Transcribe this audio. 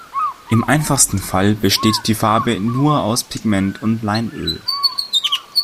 Im einfachsten Fall besteht die Farbe nur aus Pigment und Leinöl.